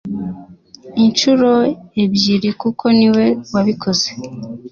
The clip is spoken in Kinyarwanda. incuro ebyiri kuko niwe wabikoze